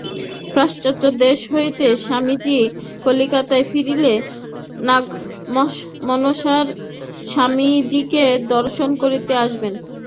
পাশ্চাত্য দেশ হইতে স্বামীজী কলিকাতায় ফিরিলে নাগমহাশয় স্বামীজীকে দর্শন করিতে আসেন।